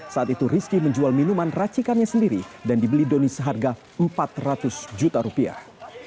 saat itu rizky menjual minuman racikannya sendiri dan dibeli doni seharga empat ratus juta rupiah